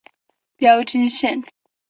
标津线。